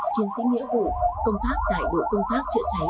chiến sĩ nghĩa vụ công tác tại đội công tác chữa cháy